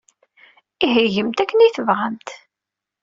Ihi gemt akken ay tebɣamt.